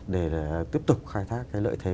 để tiếp tục khai thác cái lợi thế